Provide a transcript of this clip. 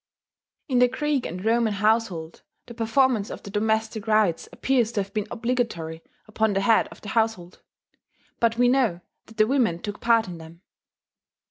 In the Greek and Roman household the performance of the domestic rites appears to have been obligatory upon the head of the household; but we know that the women took part in them.